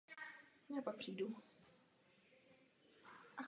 Ke konci svého funkčního období též předsedala ústřední volební komisi.